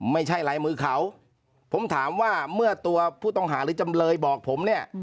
ไม่ใช่ลายมือเขาผมถามว่าเมื่อตัวผู้ต้องหาหรือจำเลยบอกผมเนี่ย